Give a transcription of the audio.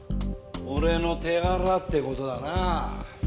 俺の手柄って事だな。